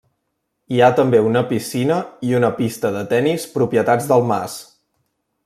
Hi ha també una piscina i una pista de tenis propietats del mas.